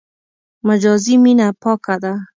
مجازي مینه پاکه ده.